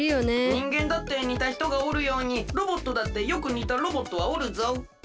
にんげんだってにたひとがおるようにロボットだってよくにたロボットはおるぞ？